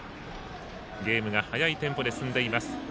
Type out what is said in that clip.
ゲームが速いテンポで進んでいます。